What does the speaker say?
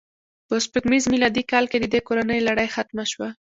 په سپوږمیز میلادي کال کې د دې کورنۍ لړۍ ختمه شوه.